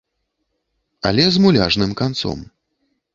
Але з муляжным канцом.